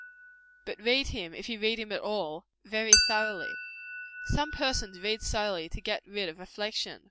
But read him, if you read him at all, very thoroughly. Some persons read solely to get rid of reflection.